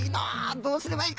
どうすればいいかな？